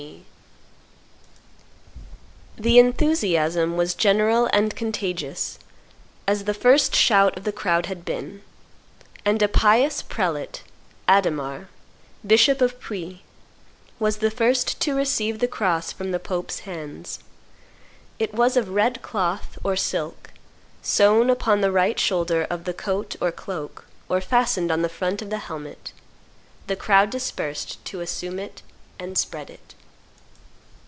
'" [Illustration: "God willeth it!" 383] The enthusiasm was general and contagious, as the first shout of the crowd had been; and a pious prelate, Adhemar, bishop of Puy, was the first to receive the cross from the Pope's hands. It was of red cloth or silk, sewn upon the right shoulder of the coat or cloak, or fastened on the front of the helmet. The crowd dispersed to assume it and spread it.